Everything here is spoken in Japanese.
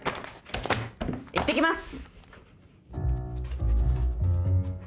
いってきます。